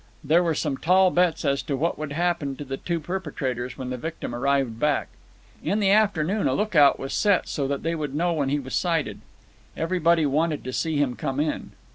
There were some tall bets as to what would happen to the two perpetrators when the victim arrived back. In the afternoon a lookout was set, so that they would know when he was sighted. Everybody wanted to see him come in.